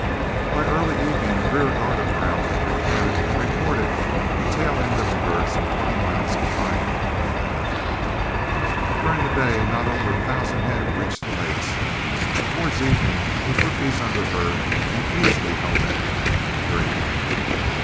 By early evening, the rear guard of our outfit returned and reported the tail end of the herd some twenty miles behind when they left them. During the day not over a thousand head reached the lakes, and towards evening we put these under herd and easily held them during the night.